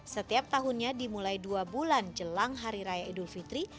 setiap tahunnya dimulai dua bulan jelang hari raya idul fitri